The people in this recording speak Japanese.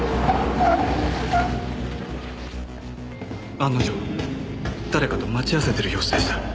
案の定誰かと待ち合わせてる様子でした。